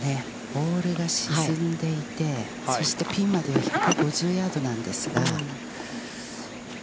ボールが沈んでいて、そしてピンまでは１５０ヤードなんですが。